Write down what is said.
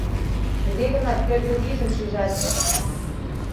Туге гынат кӧргӧ вийжым шижат.